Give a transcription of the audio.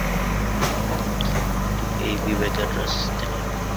এটি এই বিভাগের রাজধানী।